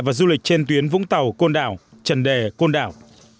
và du lịch trên tuyến vũng tàu côn đảo trần đề côn đảo